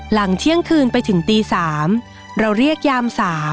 หลังเที่ยงคืนไปถึงตี๓เราเรียกยาม๓